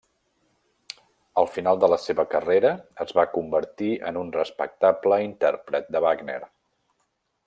Al final de la seva carrera es va convertir en un respectable intèrpret de Wagner.